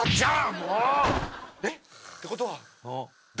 もう！えっ？ってことは誰！？